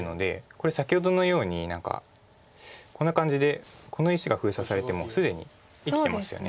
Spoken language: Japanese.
これ先ほどのように何かこんな感じでこの石が封鎖されても既に生きてますよね。